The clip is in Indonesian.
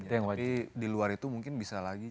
tapi di luar itu mungkin bisa lagi